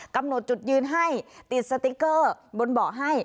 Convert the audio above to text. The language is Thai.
กำหนดจุดยืนให้ติดสติ๊กเกอร์บนเบาะให้